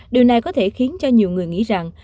điều này có thể khiến cho nhiều người nghĩ rằng